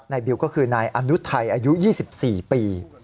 บิวก็คือนายอนุทัยอายุ๒๔ปี